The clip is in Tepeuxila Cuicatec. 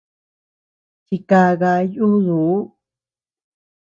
Chikaka yuduu.